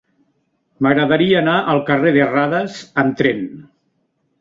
M'agradaria anar al carrer de Radas amb tren.